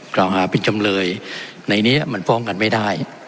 กล่าวหาเป็นจำเลยในนี้มันฟ้องกันไม่ได้